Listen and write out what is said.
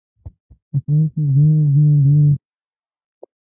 په ښار کې ګڼه ګوڼه ډېره شوې وه.